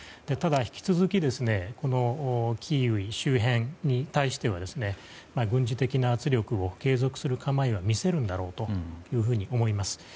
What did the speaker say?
ただ、引き続きキーウ周辺に対しては軍事的な圧力を継続する構えは見せるんだろうと思います。